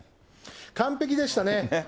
完璧でしたね。